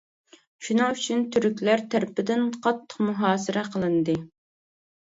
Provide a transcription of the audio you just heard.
شۇنىڭ ئۈچۈن تۈركلەر تەرىپىدىن قاتتىق مۇھاسىرە قىلىندى.